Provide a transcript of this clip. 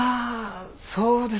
そうですか。